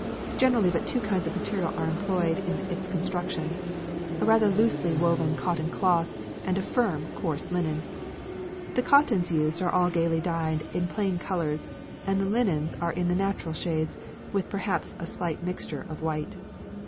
Generally but two kinds of material are employed in its construction: a rather loosely woven cotton cloth, and a firm, coarse linen. The cottons used are all gayly dyed in plain colours, and the linens are in the natural shades, with perhaps a slight mixture of white.